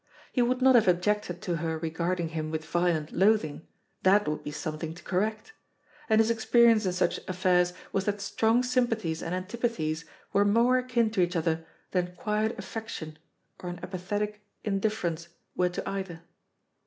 He would not have objected to her regarding him with violent loathing, that would be something to correct; and his experience in such affairs was that strong sympathies and antipathies were more akin to each other than quiet affection or an apathetic indifference were to either.